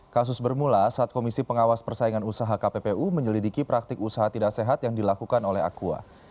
kasus bermula saat komisi pengawas persaingan usaha kppu menyelidiki praktik usaha tidak sehat yang dilakukan oleh aqua